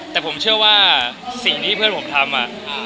แต่ผมเชื่อว่าสิ่งที่เพื่อนผมทำ